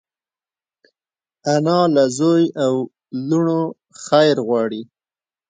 انا له زوی او لوڼو خیر غواړي